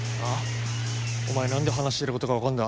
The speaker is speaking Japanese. お前なんで話してることがわかんだ？